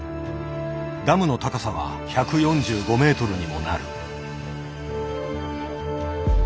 ダムの高さは１４５ｍにもなる。